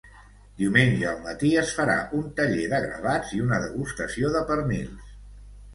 Diumenge al matí es farà un taller de gravats i una degustació de pernils.